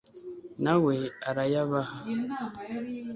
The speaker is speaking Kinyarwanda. na we arayabaha